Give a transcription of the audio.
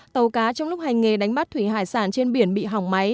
tàu cá trong lúc hành nghề đánh bắt thủy hải sản trên biển bị hỏng máy